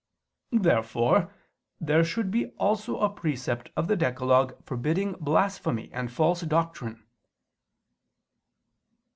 Therefore there should be also a precept of the decalogue forbidding blasphemy and false doctrine.